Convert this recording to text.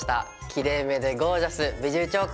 「きれいめでゴージャス！ビジューチョーカー」。